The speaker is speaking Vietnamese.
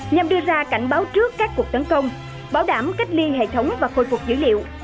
nhằm đưa ra cảnh báo trước các cuộc tấn công bảo đảm cách ly hệ thống và khôi phục dữ liệu